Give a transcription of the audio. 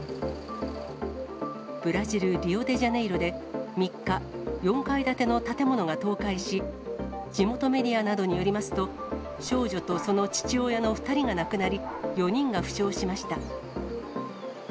ブラジル・リオデジャネイロで、３日、４階建ての建物が倒壊し、地元メディアなどによりますと、少女とその父親の２人が亡くなり、４人が負傷しました。